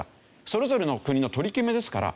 それぞれの国の取り決めですから。